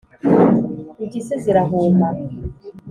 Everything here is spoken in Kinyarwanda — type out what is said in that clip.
impyisi zirahuma